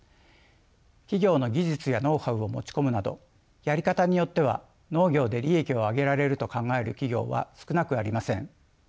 企業の技術やノウハウを持ち込むなどやり方によっては農業で利益を上げられると考える企業は少なくありません。